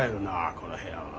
この部屋は。